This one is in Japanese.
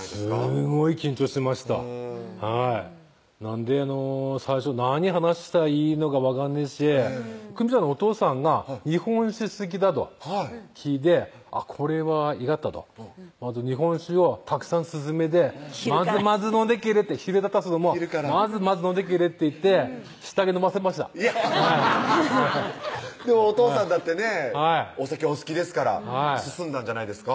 すーごい緊張しましたはいなんで最初何話したらいいのか分かんねぇしくみちゃんのお父さんが日本酒好きだと聞いてこれはいがったと日本酒をたくさん勧めて「まずまず飲んでけれ」って昼だったっすけども「まずまず飲んでけれ」って言ってしったげ飲ませましたでもお父さんだってねお酒お好きですから進んだんじゃないですか？